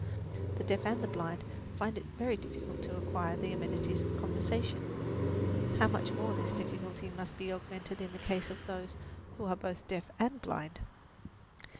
The deaf and the blind find it very difficult to acquire the amenities of conversation. How much more this difficulty must be augmented in the case of those who are both deaf and blind!